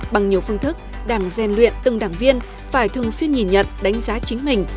bằng nhiều phương thức đảng gian luyện từng đảng viên phải thường xuyên nhìn nhận đánh giá chính mình